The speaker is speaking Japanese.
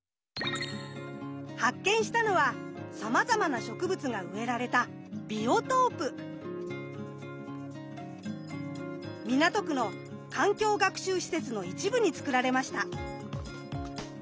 発見したのはさまざまな植物が植えられた港区の環境学習施設の一部につくられました。